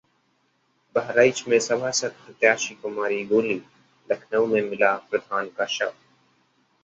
बहराइच में सभासद प्रत्याशी को मारी गोली, लखनऊ में मिला प्रधान का शव